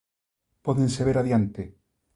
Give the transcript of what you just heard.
Pódense ver adiante.